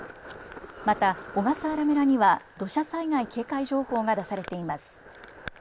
また小笠原村には土砂災害警戒情報が出されています。